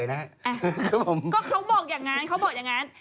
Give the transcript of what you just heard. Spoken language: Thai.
ก็เค้าบอกอย่างนั้น